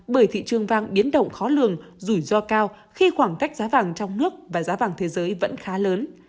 bởi thị trường vàng biến động khó lường rủi ro cao khi khoảng cách giá vàng trong nước và giá vàng thế giới vẫn khá lớn